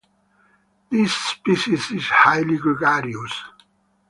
This species is highly gregarious.